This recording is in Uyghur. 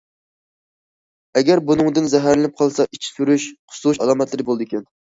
ئەگەر بۇنىڭدىن زەھەرلىنىپ قالسا ئىچى سۈرۈش، قۇسۇش ئالامەتلىرى بولىدىكەن.